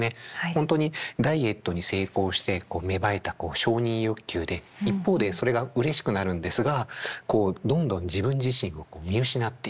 本当にダイエットに成功して芽生えた承認欲求で一方でそれがうれしくなるんですがどんどん自分自身を見失っていく。